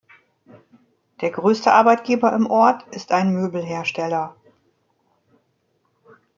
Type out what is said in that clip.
Der größte Arbeitgeber im Ort ist ein Möbelhersteller.